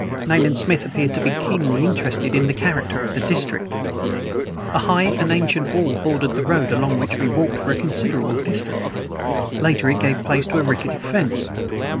Nayland Smith appeared to be keenly interested in the character of the district. A high and ancient wall bordered the road along which we walked for a considerable distance. Later it gave place to a rickety fence.